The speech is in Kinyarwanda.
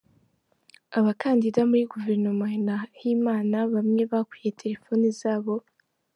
Abakandida muri Guverinoma ya Nahimana bamwe bakuye telefone zabo